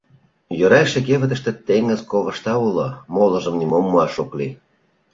Йӧра эше кевытыште теҥыз ковышта уло, молыжым нимом муаш ок лий.